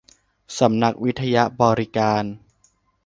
สำนักวิทยบริการ